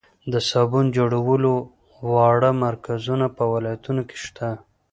د صابون جوړولو واړه مرکزونه په ولایتونو کې شته.